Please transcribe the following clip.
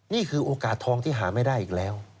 นี่คือโอกาสทองที่หาไม่ได้อีกแล้ว